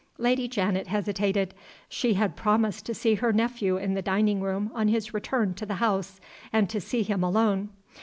Lady Janet hesitated. She had promised to see her nephew in the dining room on his return to the house and to see him alone.